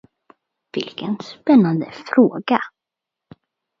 Vilken spännande fråga!